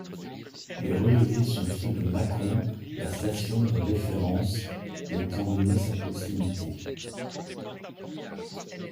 Les relevés sont ceux de Mâcon, la station de référence, étant donné sa proximité.